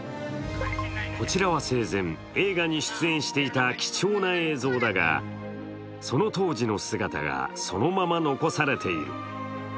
こちらは生前、映画に出演していた貴重な映像だがその当時の姿が、そのまま残されている。